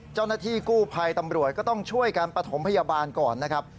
เจ้าหน้าที่กู้ภัยตำรวจก็ต้องช่วยการปฐมพยาบาลก่อนนะครับ